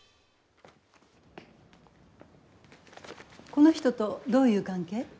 この人とどういう関係？